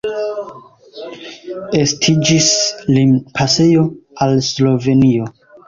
Estiĝis limpasejo al Slovenio.